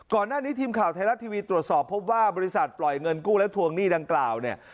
ก่อนหน้านี้ทีมข่าวไทยรัฐทีวีตรวจสอบพบว่าบริษัทปล่อยเงินกู้และทวงหนี้ดังกล่าวเนี่ย